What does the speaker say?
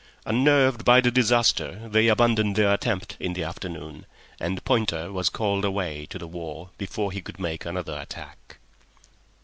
Unnerved by this disaster, they abandoned their attempt in the afternoon, and Pointer was called away to the war before he could make another attack.